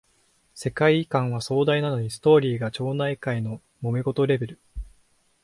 世界観は壮大なのにストーリーが町内会のもめ事レベル